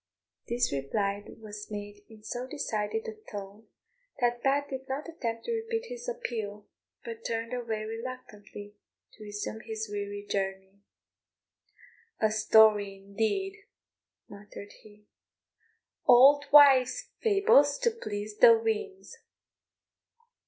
This reply was made in so decided a tone that Pat did not attempt to repeat his appeal, but turned away reluctantly to resume his weary journey. "A story, indeed," muttered he. "Auld wives fables to please the weans!"